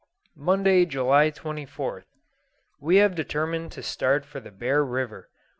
Monday, July 24th. We have determined to start for the Bear River.